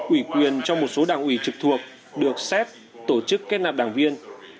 ủy quyền cho một số đảng ủy trực thuộc được xét tổ chức kết nạp đảng viên